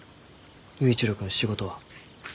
佑一郎君仕事は？